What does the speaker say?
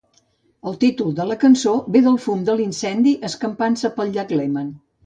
El títol de la cançó ve del fum de l'incendi escampant-se pel llac Léman.